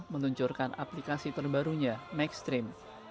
menuncurkan aplikasi terbarunya maxstream